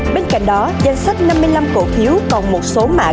bên cạnh đó danh sách năm mươi năm cổ phiếu còn một số mạng